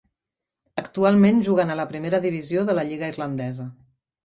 Actualment juguen a la Primera Divisió de la Lliga irlandesa.